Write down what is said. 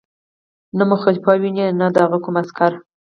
نه مو خلیفه ویني او نه د هغه کوم عسکر.